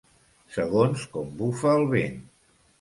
Segons com bufa el vent.